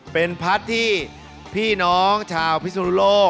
เป็นพัดที่พี่น้องชาวพิศนุโลก